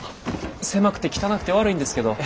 狭くて汚くて悪いんですけど。